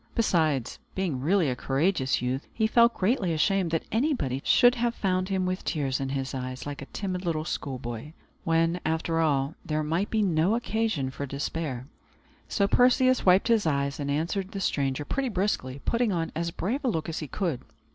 Besides, being really a courageous youth, he felt greatly ashamed that anybody should have found him with tears in his eyes, like a timid little schoolboy, when, after all, there might be no occasion for despair. So Perseus wiped his eyes, and answered the stranger pretty briskly, putting on as brave a look as he could.